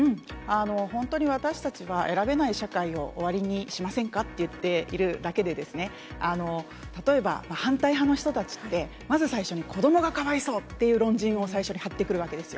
本当に私たちは、選べない社会を終わりにしませんかって言っているだけで、例えば、反対派の人たちって、まず最初に子どもがかわいそうっていう論陣を最初に張ってくるわけですよ。